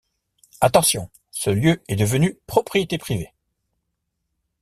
Attention ce lieu est devenu propriété privé.